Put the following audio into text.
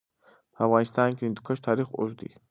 په افغانستان کې د هندوکش تاریخ اوږد دی.